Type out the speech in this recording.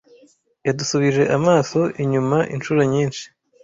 Yadusubije amaso inyuma inshuro nyinshi